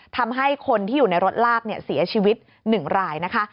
ทำให้คนที่อยู่ในรถลากเสียชีวิต๑รายนะคะ